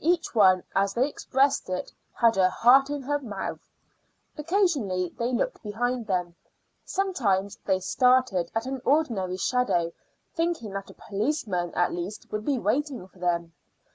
Each one, as they expressed it, had her heart in her mouth. Occasionally they looked behind them; sometimes they started at an ordinary shadow, thinking that a policeman at least would be waiting for them.